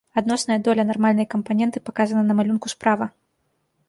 Адносная доля нармальнай кампаненты паказана на малюнку справа.